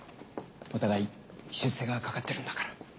お互い出世がかかってるんだから。